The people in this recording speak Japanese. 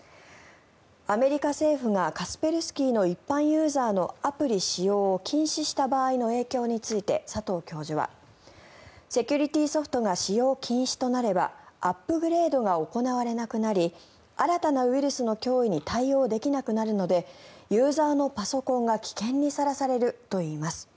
アメリカ政府がカスペルスキーの一般ユーザーのアプリ使用を禁止した場合の影響について佐藤教授はセキュリティーソフトが使用禁止となればアップグレードが行われなくなり新たなウイルスの脅威に対応できなくなるのでユーザーのパソコンが危険にさらされるといいます。